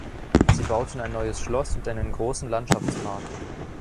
Sie bauten ein neues Schloss und einen großen Landschaftspark.